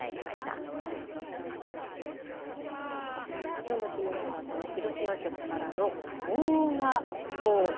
きょうのキニナル！はその広島局からの防蛾灯。